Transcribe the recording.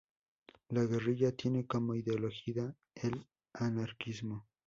La guerrilla tiene como ideología el anarquismo.